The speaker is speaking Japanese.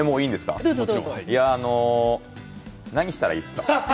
何したらいいすか？